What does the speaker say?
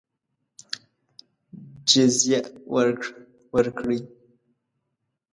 جزیه ورکړي.